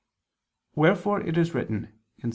Wherefore it is written (Ps.